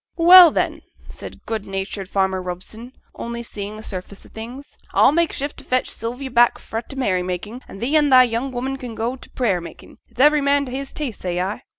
'Well, then,' said good natured farmer Robson, only seeing the surface of things, 'a'll make shift to fetch Sylvie back fra' t' merry making, and thee an' thy young woman can go to t' prayer makin'; it's every man to his taste, say I.'